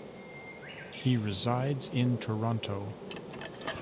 He resides in Toronto.